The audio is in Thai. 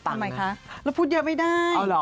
ทำไมคะเราพูดเยอะไม่ได้